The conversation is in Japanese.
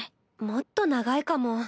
もっと長いかも。